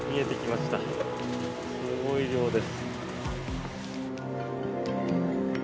すごい量です。